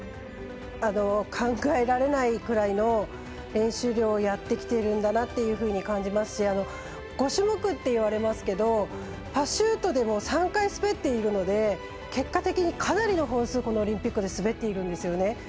考えられないくらいの練習量をやってきてるんだなというふうに感じますし５種目って言われますけどパシュートでも３回滑っているので結果的にかなりの本数このオリンピックで滑っているんですよね。